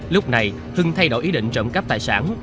lúc này hưng thay đổi ý định trộm cắp tài sản